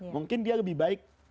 mungkin dia lebih baik